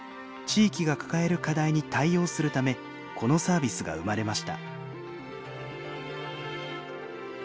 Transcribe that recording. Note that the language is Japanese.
地域が抱える課題に対応するためこのサービスが生まれました。